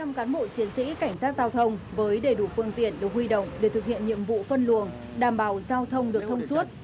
một trăm linh cán bộ chiến sĩ cảnh sát giao thông với đầy đủ phương tiện được huy động để thực hiện nhiệm vụ phân luồng đảm bảo giao thông được thông suốt